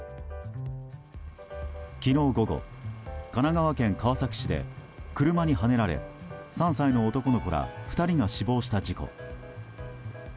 昨日午後、神奈川県川崎市で車にはねられ、３歳の男の子ら２人が死亡した事故。